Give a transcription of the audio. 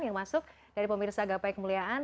yang masuk dari pemirsa gapai kemuliaan